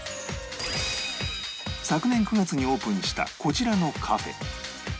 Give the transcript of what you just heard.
昨年９月にオープンしたこちらのカフェ